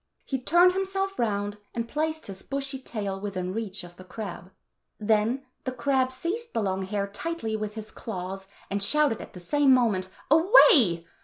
He turned himself round and placed his bushy tail within reach of the crab. Then the crab 15 seized the long hair tightly with his claws, and shouted at the same moment, "Away!"